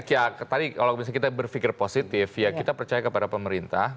ya tadi kalau misalnya kita berpikir positif ya kita percaya kepada pemerintah